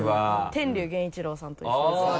天龍源一郎さんと一緒ですね。